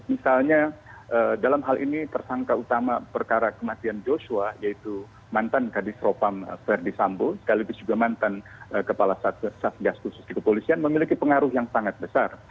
misalnya dalam hal ini tersangka utama perkara kematian joshua yaitu mantan kadisropam verdi sambo sekaligus juga mantan kepala satgas khusus di kepolisian memiliki pengaruh yang sangat besar